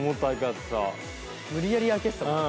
無理やり開けてたもんね。